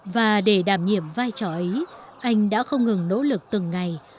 và để đảm nhiệm vai trò ấy anh đã không ngừng nỗ lực từng ngày